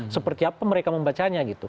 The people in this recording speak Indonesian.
seperti apa mereka membacanya gitu